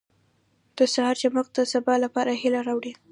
• د سهار چمک د سبا لپاره هیله راوړي.